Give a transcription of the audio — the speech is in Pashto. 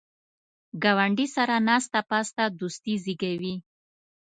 ګاونډي سره ناسته پاسته دوستي زیږوي